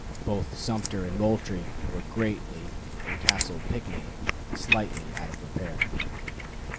Both Sumter and Moultrie were greatly and Castle Pinckney slightly out of repair.